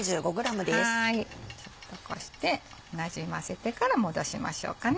ちょっとこうしてなじませてから戻しましょうかね。